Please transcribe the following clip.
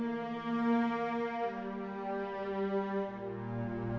semua ada apa lagi